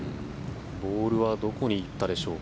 ボールはどこに行ったでしょうか。